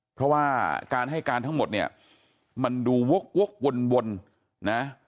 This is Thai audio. เพราะว่าการให้การทั้งหมดมันดูวกวน